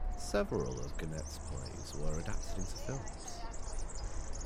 Several of Genet's plays were adapted into films.